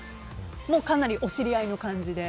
もうかなりお知り合いの感じで。